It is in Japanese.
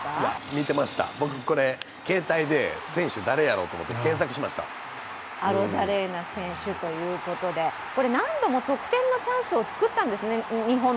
見ていました、携帯で選手、誰やろと思って、アロザレーナ選手ということで侍ジャパンも何度も得点のチャンスを作ったんですね。